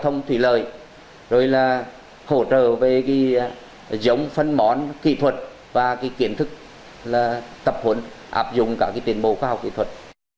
hỗ trợ về giống phân món kỹ thuật và kiến thức tập hồn áp dụng cả tiến bộ khoa học kỹ thuật